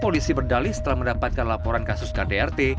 polisi berdali setelah mendapatkan laporan kasus kdrt